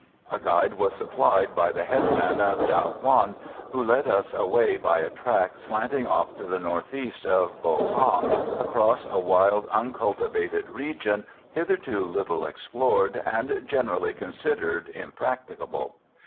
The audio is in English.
A guide was supplied by the headman of Dao Quan, who led us away by a track slanting off to the north east of Bo Ha, across a wild, uncultivated region, hitherto little explored, and generally considered impracticable.